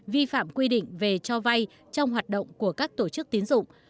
vi phạm quy định về cho vay trong hoạt động của các tổ chức tiến dụng